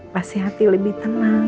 pasti hati lebih tenang